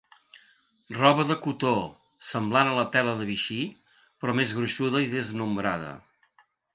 Roba de cotó semblant a la tela de Vichy, però més gruixuda i desnombrada.